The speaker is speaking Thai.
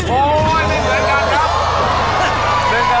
โอ้โหไม่เหมือนกันครับ